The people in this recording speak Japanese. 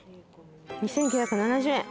２，９７０円。